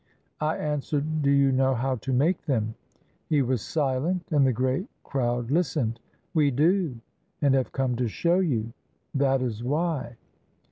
I answered. " Do you know how to make them? " He was silent and the great crowd listened. "We do, and have come to show you. That is why."